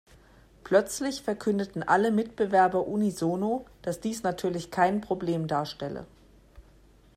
Plötzlich verkündeten alle Mitbewerber unisono, dass dies natürlich kein Problem darstelle.